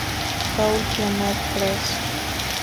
Paul Pioneer Press".